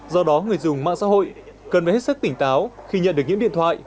do đó người dùng mạng xã hội cần phải hết sức tỉnh táo khi nhận được những điện thoại